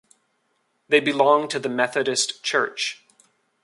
They belonged to the Methodist Church.